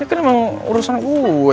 ini kan emang urusan gue